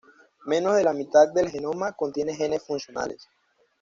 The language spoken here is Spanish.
Menos de la mitad del genoma contiene genes funcionales.